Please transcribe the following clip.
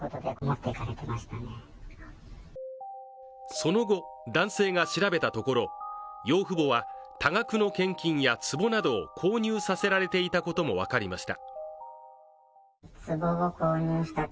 その後、男性が調べたところ養父母は多額の献金やつぼなどを購入させられていたことも分かりました。